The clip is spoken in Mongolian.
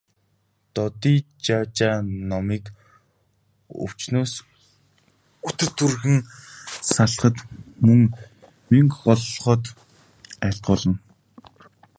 Додижажаа номыг өвчнөөс үтэр түргэн салахад, мөн мэнгэ голлоход айлтгуулна.